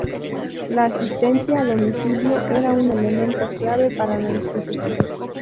La asistencia a domicilio era un elemento clave para la institución.